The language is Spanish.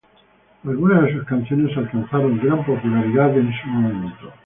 Algunas de sus canciones alcanzaron gran popularidad en su momento.